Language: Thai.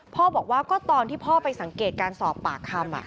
พ่อบอกว่าก็ตอนที่พ่อไปสังเกตการสอบปากคำ